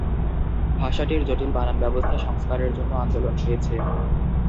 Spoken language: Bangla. ভাষাটির জটিল বানান ব্যবস্থা সংস্কারের জন্য আন্দোলন হয়েছে।